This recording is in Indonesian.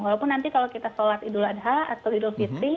walaupun nanti kalau kita sholat idul adha atau idul fitri